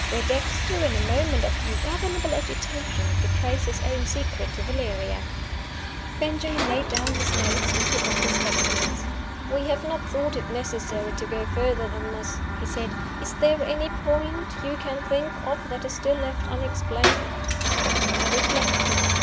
where Dexter, in a moment of ungovernable agitation, betrays his own secret to Valeria. Benjamin laid down his notes, and took off his spectacles. "We have not thought it necessary to go further than this," he said. "Is there any point you can think of that is still left unexplained?" I reflected.